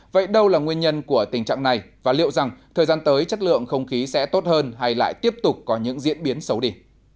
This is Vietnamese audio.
vậy đâu là nguyên nhân của tình trạng này và liệu rằng thời gian tới chất lượng không khí sẽ tốt hơn hay lại tiếp tục có những diễn biến xấu đi